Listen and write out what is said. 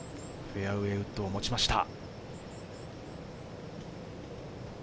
フェアウエーウッドを持ちました。